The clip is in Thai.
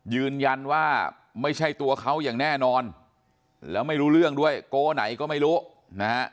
ยืนยันไม่ใช่ตัวเขาอย่างแน่นอนไม่รู้เรื่องด้วยโก๊ะไหนก็ไม่รู้